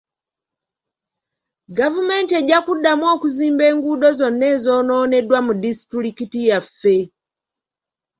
Gavumenti ejja kuddamu okuzimba enguudo zonna ezoonooneddwa mu disitulikiti yaffe